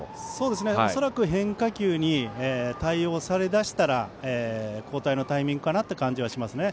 恐らく変化球に対応されだしたら交代のタイミングかなという感じはしますね。